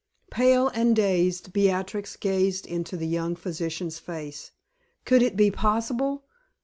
Pale and dazed, Beatrix gazed into the young physician's face. Could it be possible?